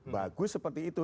bagus seperti itu